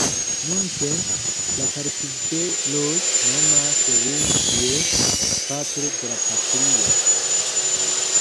Nuntempe la kartveloj nomas lin kiel "Patro de la Patrio".